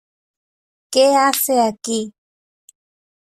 ¿ Qué hace aquí?